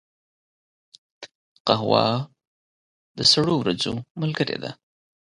قهوه د سړو ورځو ملګرې ده